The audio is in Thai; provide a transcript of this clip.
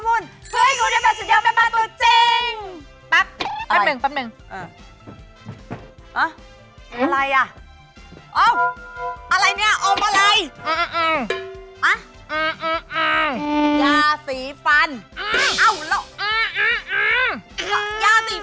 เพื่อให้คุณไปเป็นสุดยอมเป็นบ้านตัวจริง